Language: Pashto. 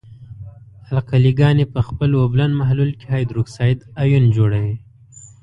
القلې ګاني په خپل اوبلن محلول کې هایدروکساید آیون جوړوي.